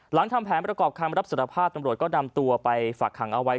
ทำแผนประกอบคำรับสารภาพตำรวจก็นำตัวไปฝากขังเอาไว้